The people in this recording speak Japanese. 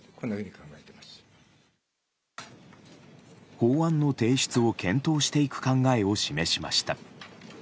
法案の提出を検討していく考えを示しました。